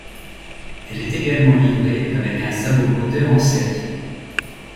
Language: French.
Elle est également livrée avec un sabot moteur en série.